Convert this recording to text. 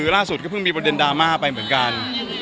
ล่าสุดก็เพิ่งมีประเด็นดราม่าไปเหมือนกัน